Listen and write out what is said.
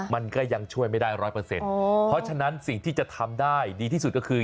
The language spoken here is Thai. มันก็ยังช่วยไม่ได้ร้อยเปอร์เซ็นต์เพราะฉะนั้นสิ่งที่จะทำได้ดีที่สุดก็คือ